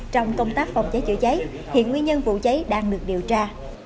trong công tác phòng cháy chữa cháy hiện nguyên nhân vụ cháy đang được điều tra